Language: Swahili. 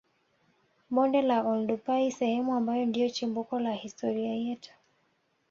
Bonde la Oldupai sehemu ambayo ndio chimbuko la historia yetu